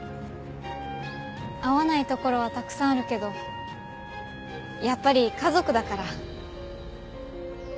合わないところはたくさんあるけどやっぱり家族だから。